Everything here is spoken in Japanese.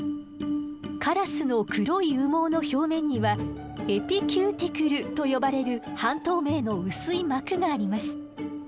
カラスの黒い羽毛の表面にはエピキューティクルと呼ばれる半透明の薄い膜があります。